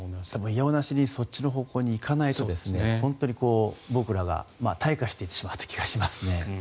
いや応なしにそっちのほうに行かないと僕らが退化していってしまう気がしますね。